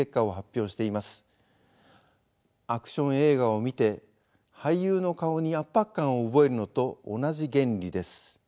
アクション映画を見て俳優の顔に圧迫感を覚えるのと同じ原理です。